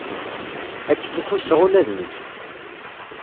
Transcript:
Akken i ḥusseɣ ula d nekk.